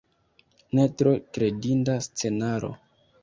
Ne tro kredinda scenaro.